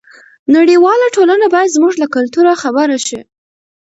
نړیواله ټولنه باید زموږ له کلتور خبره شي.